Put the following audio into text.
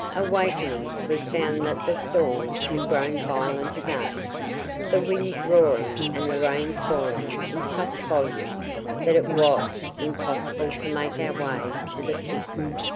Awakening, we found that the storm had grown violent again; the wind roaring and the rain falling in such volume that it was impossible to make our way to the Pit.